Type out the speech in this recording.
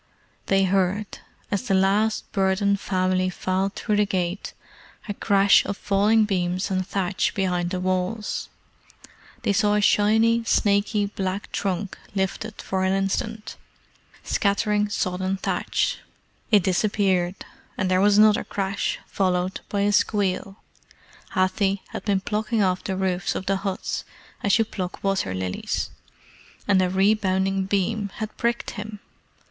They heard, as the last burdened family filed through the gate, a crash of falling beams and thatch behind the walls. They saw a shiny, snaky black trunk lifted for an instant, scattering sodden thatch. It disappeared, and there was another crash, followed by a squeal. Hathi had been plucking off the roofs of the huts as you pluck water lilies, and a rebounding beam had pricked him.